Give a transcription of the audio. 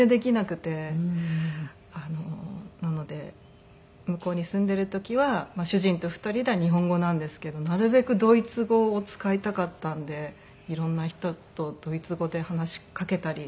なので向こうに住んでる時は主人と２人では日本語なんですけどなるべくドイツ語を使いたかったんで色んな人とドイツ語で話しかけたり。